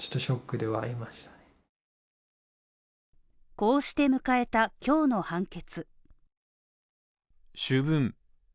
こうして迎えた今日の判決。